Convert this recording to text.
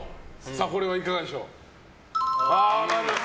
これはいかがでしょう。